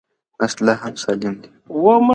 نسج لا هم سالم دی.